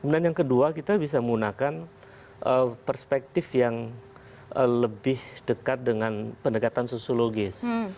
dan yang kedua kita bisa menggunakan perspektif yang lebih dekat dengan pendekatan sosiologis